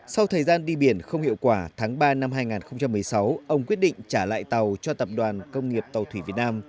sau thời gian đi biển không hiệu quả tháng ba năm hai nghìn một mươi sáu ông quyết định trả lại tàu cho tập đoàn công nghiệp tàu thủy việt nam